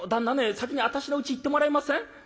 先に私のうち行ってもらえません？」。